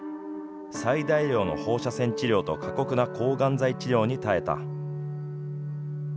最大量の放射線治療と過酷な抗がん剤治療に耐えた。